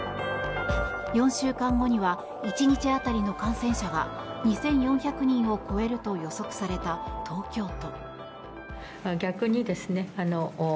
４週間後には１日当たりの感染者が２４００人を超えると予測された東京都。